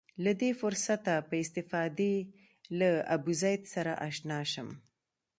له دې فرصته په استفادې له ابوزید سره اشنا شم.